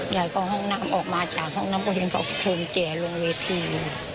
ยายเข้าห้องน้ำออกมาจากห้องน้ำก็ยังขอบคุณเจ๊ลงเวที